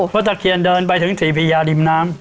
ตะเคียนเดินไปถึงศรีพญาริมน้ำ